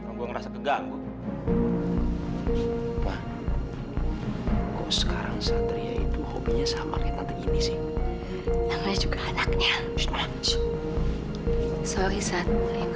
terima kasih sat